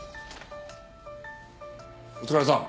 お疲れさん。